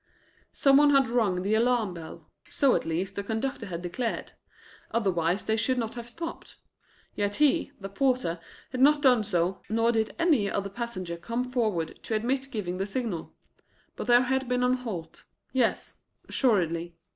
Some one had rung the alarm bell so at least the conductor had declared; otherwise they should not have stopped. Yet he, the porter, had not done so, nor did any passenger come forward to admit giving the signal. But there had been a halt. Yes, assuredly.